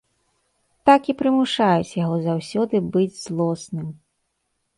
Так і прымушаюць яго заўсёды быць злосным.